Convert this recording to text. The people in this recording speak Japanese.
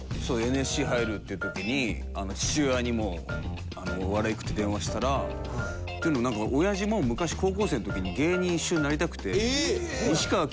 ＮＳＣ入るっていう時に父親にもうお笑い行くって電話したらおやじも昔高校生の時に芸人一瞬なりたくて。